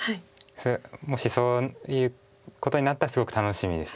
もしそういうことになったらすごく楽しみです。